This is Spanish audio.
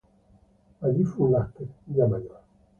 Allí fue un Lasker, ya mayor.